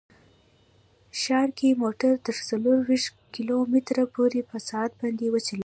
ښار کې موټر تر څلوېښت کیلو متره پورې په ساعت باندې وچلوئ